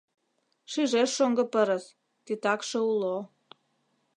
Шижеш шоҥго пырыс: титакше уло.